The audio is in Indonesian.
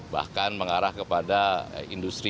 bahkan mengarah kepada industri